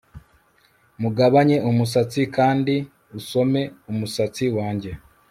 mugabanye umusatsi, kandi usome umusatsi wanjye